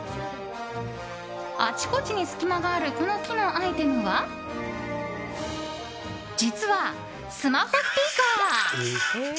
あちこちに隙間があるこの木のアイテムは実は、スマホスピーカー。